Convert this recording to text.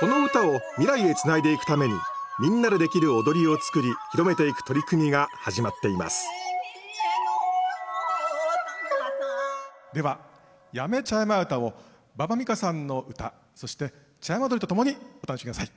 この唄を未来へつないでいくためにみんなでできる踊りを作り広めていく取り組みが始まっていますでは「八女茶山唄」を馬場美雅さんの唄そして茶山おどりとともにお楽しみ下さい。